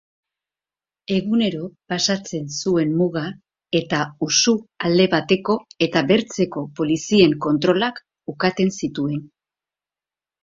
Egunero pasatzen zuen muga eta usu alde bateko eta bertzeko polizien kontrolak ukaten zituen.